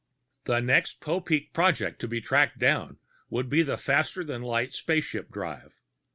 The next Popeek project to track down would be the faster than light spaceship drive.